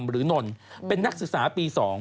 หรือนนนเป็นนักศึกษาปี๒